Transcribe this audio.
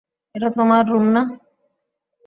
এটা তোমার রূম না।